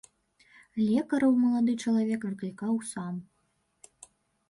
Лекараў малады чалавек выклікаў сам.